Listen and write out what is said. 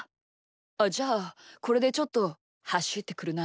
あっじゃあこれでちょっとはしってくるな。